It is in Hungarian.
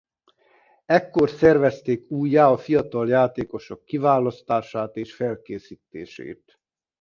Ekkor szervezték újjá a fiatal játékosok kiválasztását és felkészítését.